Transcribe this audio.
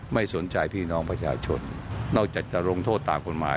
ไม่สนใจพี่น้องประชาชนนอกจากจะลงโทษตามกฎหมาย